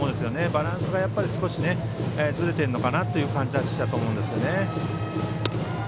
バランスが少しずれているのかなといった感じはしたと思いますね。